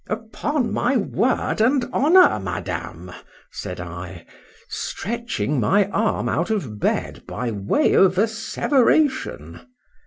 Upon my word and honour, Madame, said I,—stretching my arm out of bed by way of asseveration.